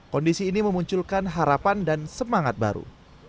kondisi ini memunculkan harapan dan semangat baru